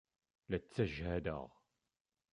La ttajhadeɣ!